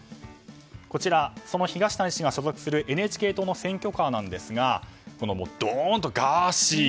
こちら東谷氏が所属するＮＨＫ党の選挙カーですがどんと「ガーシー」